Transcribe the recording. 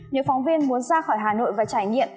nếu phóng viên muốn ra khỏi hà nội và trải nghiệm